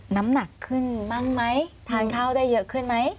น้ำหนักขึ้นบ้างไหมทานข้าวได้เยอะขึ้นไหม